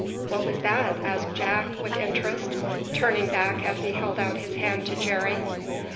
"What was that?" asked Jack, with interest, turning back as he held out his hand to Jerry.